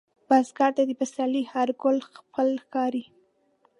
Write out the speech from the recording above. بزګر ته د پسرلي هر ګل خپل ښکاري